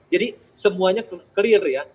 jadi semuanya clear ya